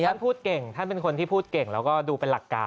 ท่านพูดเก่งท่านเป็นคนที่พูดเก่งแล้วก็ดูเป็นหลักการ